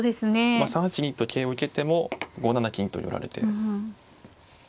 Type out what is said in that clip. ３八銀と桂を受けても５七金と寄られて。